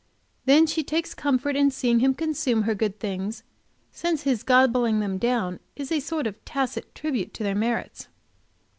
Then she takes comfort in seeing him consume her good things, since his gobbling them down is a sort of tacit tribute to their merits.